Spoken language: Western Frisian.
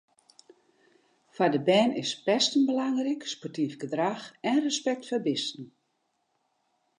Foar de bern is pesten belangryk, sportyf gedrach en respekt foar bisten.